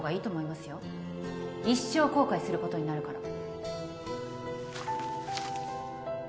一生後悔することになるから。